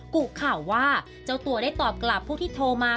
กุข่าวว่าเจ้าตัวได้ตอบกลับผู้ที่โทรมา